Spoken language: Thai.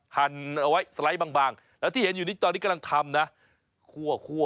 หั่นเอาไว้สไลด์บางแล้วที่เห็นอยู่นี้ตอนนี้กำลังทำนะคั่ว